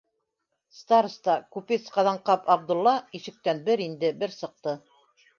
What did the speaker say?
Староста, купец Ҡаҙанҡап Абдулла, ишектән бер инде, бер сыҡты.